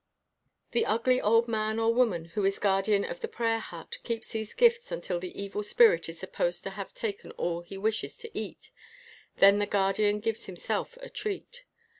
The ugly old man or woman who is guardian of the prayer hut keeps these gifts until the evil spirit is supposed to have taken all he wishes to eat ; then the guardian gives himself a treat.